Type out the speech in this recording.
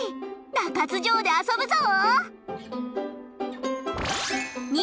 中津城で遊ぶぞ！